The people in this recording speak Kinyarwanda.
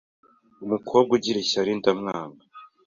Umukobwa ugira ishyari ndamwanga